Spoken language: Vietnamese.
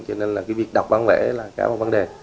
cho nên là cái việc đọc bán vẽ là cả một vấn đề